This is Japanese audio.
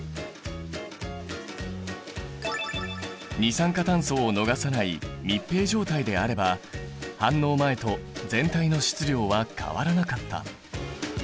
二酸化炭素を逃さない密閉状態であれば反応前と全体の質量は変わらなかった。